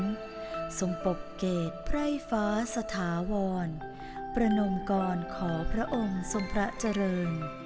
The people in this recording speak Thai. ทรงปกเกตไพร่ฟ้าสถาวรประนมกรขอพระองค์ทรงพระเจริญ